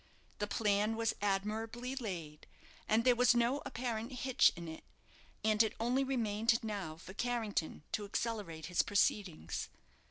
The plan was admirably laid, and there was no apparent hitch in it, and it only remained now for Carrington to accelerate his proceedings.